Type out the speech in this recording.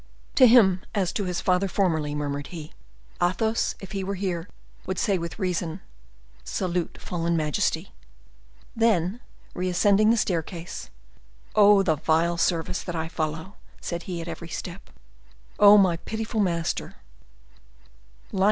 "To him as to his father formerly," murmured he, "Athos, if he were here, would say with reason,—'Salute fallen majesty!'" Then, reascending the staircase: "Oh! the vile service that I follow!" said he at every step. "Oh! my pitiful master!